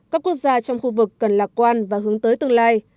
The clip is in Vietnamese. các quốc gia trong khu vực cần lạc quan và hướng tới tương lai